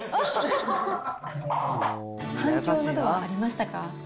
反響などはありましたか？